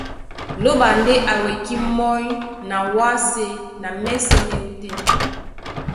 Lóɓa ndé a wekí mɔ́ny na wásē na mɛ́sɛ̄ má e ótên.